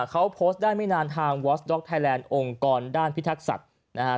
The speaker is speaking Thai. เขาโพสต์ได้ไม่นานทางวอสด็อกไทยแลนด์องค์กรด้านพิทักษัตริย์นะฮะ